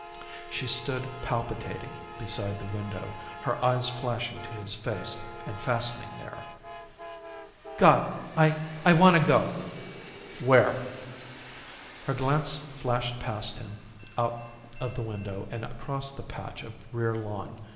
She stood palpitating beside the window, her eyes flashing to his face and fastening there. "God! I I wanna go." "Where?" Her glance flashed past him out of the window and across the patch of rear lawn.